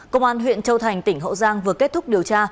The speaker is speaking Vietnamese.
công an huyện châu thành tỉnh hậu giang vừa kết thúc điều tra